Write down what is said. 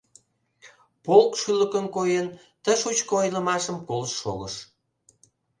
Полк шӱлыкын койын ты шучко ойлымашым колышт шогыш.